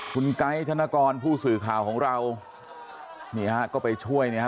คุณไก๊ธนกรผู้สื่อข่าวของเรานี่ฮะก็ไปช่วยเนี่ยฮะ